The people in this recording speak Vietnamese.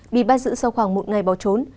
bị bắt giữ sau khoảng một ngày bỏ trốn